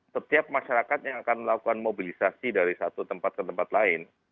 setiap masyarakat yang akan melakukan mobilisasi dari satu tempat ke tempat lain